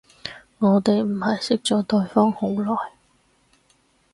我哋唔係識咗對方好耐